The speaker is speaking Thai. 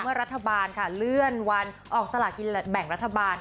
เมื่อรัฐบาลเรื่อยวันออกสลากินแบ่งรัฐบาล